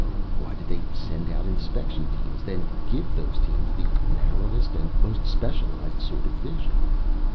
Why did they send out inspection teams, then give those teams the narrowest and most specialized sort of vision?